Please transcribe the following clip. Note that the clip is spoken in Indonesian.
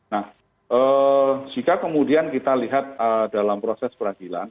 nah jika kemudian kita lihat dalam proses peradilan